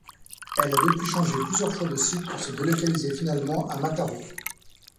Elle a depuis changé plusieurs fois de site, pour se délocaliser finalement à Mataró.